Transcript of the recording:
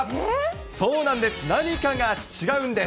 そうなんです、何かが違うんです。